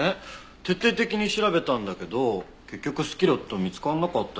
徹底的に調べたんだけど結局スキレットは見つからなかったよ。